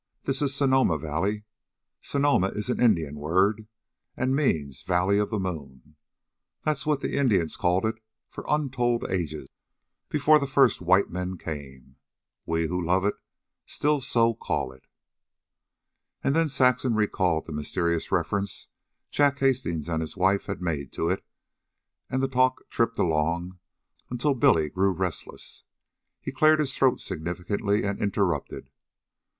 This is Sonoma Valley. Sonoma is an Indian word, and means the Valley of the Moon. That was what the Indians called it for untold ages before the first white men came. We, who love it, still so call it." And then Saxon recalled the mysterious references Jack Hastings and his wife had made to it, and the talk tripped along until Billy grew restless. He cleared his throat significantly and interrupted.